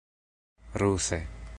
ruse